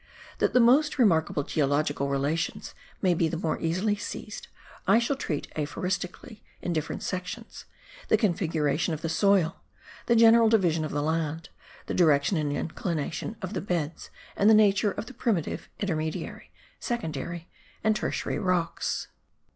That the most remarkable geological relations may be the more easily seized, I shall treat aphoristically, in different sections, the configuration of the soil, the general division of the land, the direction and inclination of the beds and the nature of the primitive, intermediary, secondary and tertiary rocks.